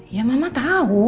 ya mama tau